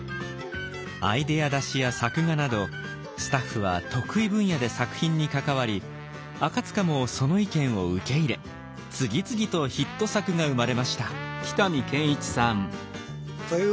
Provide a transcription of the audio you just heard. アイデア出しや作画などスタッフは得意分野で作品に関わり赤もその意見を受け入れ次々とヒット作が生まれました。